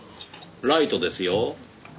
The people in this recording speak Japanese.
ライトですよ。